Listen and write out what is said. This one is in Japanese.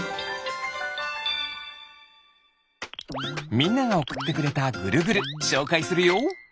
みんながおくってくれたぐるぐるしょうかいするよ。